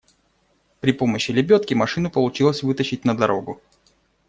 При помощи лебедки машину получилось вытащить на дорогу.